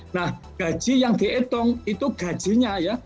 nah gaji yang dihitung itu gajinya ya